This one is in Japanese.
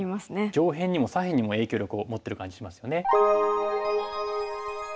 上辺にも左辺にも影響力を持ってる感じしますよね。